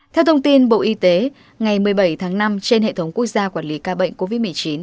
theo thông tin bộ y tế ngày một mươi bảy tháng năm trên hệ thống quốc gia quản lý ca bệnh covid một mươi chín